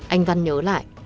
anh văn nhớ lại